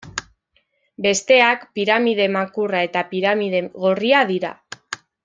Besteak, Piramide Makurra eta Piramide Gorria dira.